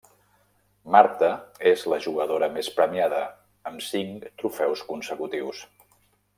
Marta és la jugadora més premiada amb cinc trofeus consecutius.